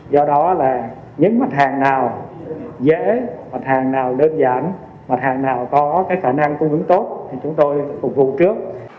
do đó những mặt hàng nào dễ mặt hàng nào đơn giản mặt hàng nào có khả năng cung cấp tốt chúng tôi phục vụ trước